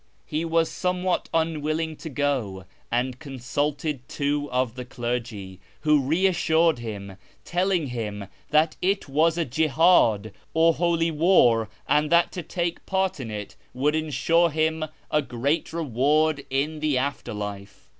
He was somewhat unwilling to go, and consulted two of the clergy, who reassured him, telling him that it was a jihdd, or holy war, and that to take part in it would ensure him a great reward in the future life.